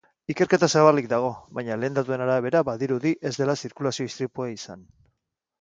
Ikerketa zabalik dago, baina lehen datuen arabera badirudi ez dela zirkulazio-istripua izan.